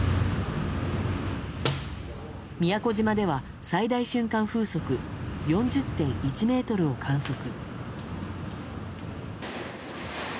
宮古島では、最大瞬間風速４０．１メートルを観測。